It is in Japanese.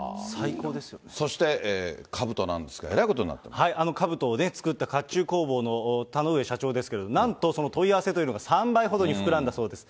そしてかぶとなんですけど、あのかぶとを作った甲冑工房の田ノ上社長ですけれども、その問い合わせというのが３倍ほどに膨らんだそうです。